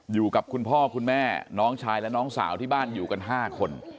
อยู่กับคุณพ่อคุณแม่น้องชายและน้องสาวที่บ้านอยู่กัน๕คน